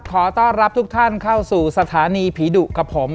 ขอต้อนรับทุกท่านเข้าสู่สถานีผีดุกับผม